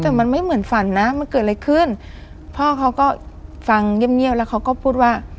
แต่มันไม่เหมือนฝันนะมันเกิดอะไรขึ้นพ่อเขาก็ฟังเงียบเงียบแล้วเขาก็พูดว่า